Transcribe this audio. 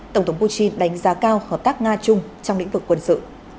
tổng thống putin đánh giá cao hợp tác nga chung trong lĩnh vực quân sự